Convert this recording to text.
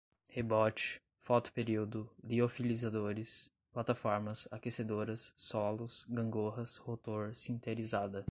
rebote, foto-período, liofilizadores, plataformas, aquecedoras, solos, gangorra, rotor, sinterizada